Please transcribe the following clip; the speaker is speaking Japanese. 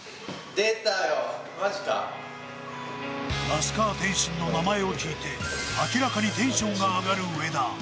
那須川天心の名前を聞いて、明らかにテンションが上がる上田。